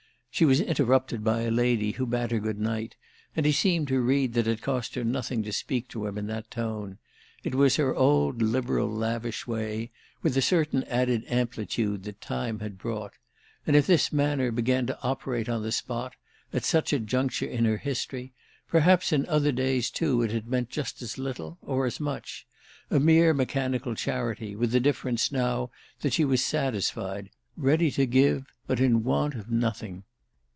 She was interrupted by a lady who bade her good night, and he seemed to read that it cost her nothing to speak to him in that tone; it was her old liberal lavish way, with a certain added amplitude that time had brought; and if this manner began to operate on the spot, at such a juncture in her history, perhaps in the other days too it had meant just as little or as much—a mere mechanical charity, with the difference now that she was satisfied, ready to give but in want of nothing.